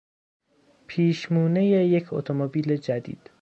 پیشمونهی یک اتومبیل جدید